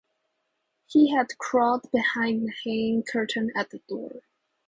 He had crawled behind the hanging curtain at the door.